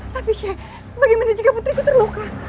tapi check bagaimana jika putriku terluka